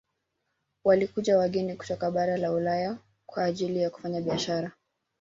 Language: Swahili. Walikuja wageni kutoka bara la ulaya kwa ajili ya kufanya biasahara